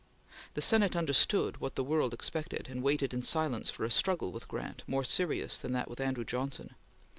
The Senate understood what the world expected, and waited in silence for a struggle with Grant more serious than that with Andrew Johnson.